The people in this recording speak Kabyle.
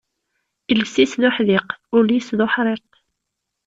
Iles-is d uḥdiq, ul-is d uḥriq.